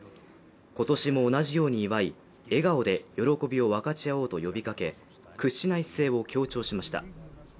今年も同じように祝い笑顔で喜びを分かち合おうと呼びかけ、屈しない姿勢を強調しました。